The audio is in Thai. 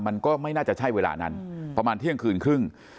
มันก็ไม่น่าจะใช่เวลานั้นประมาณเที่ยงคืนครึ่ง